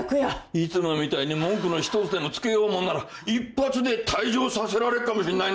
いつもみたいに文句の一つでもつけようもんなら一発で退場させられるかもしんないね。